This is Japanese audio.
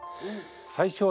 最初はね